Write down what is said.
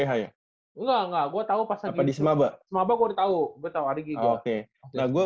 enggak enggak gue tahu pas di semaba semaba gue udah tahu gue tahu ari gini oke nah gue